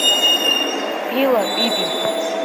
Пила пи-пи…